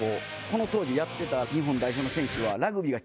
この当時やってた日本代表の選手は。